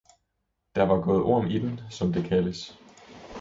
der var gået orm i den, som det kaldes.